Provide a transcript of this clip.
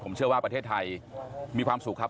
ผมเชื่อว่าประเทศไทยมีความสุขครับ